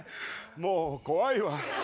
もう怖いわ。